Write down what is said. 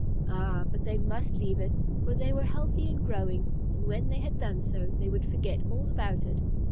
Ah, but they must leave it, for they were healthy and growing, and when they had done so, they would forget all about it.